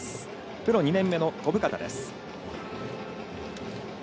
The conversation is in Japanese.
プロ２年目の小深田です。